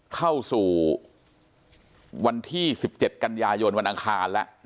เข้าสู่วันที่๑๗กันยายนวันอังคารแล้ว